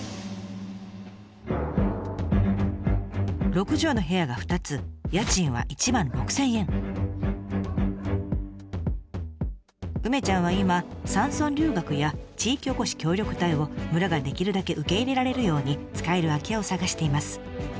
６畳の部屋が２つ梅ちゃんは今山村留学や地域おこし協力隊を村ができるだけ受け入れられるように使える空き家を探しています。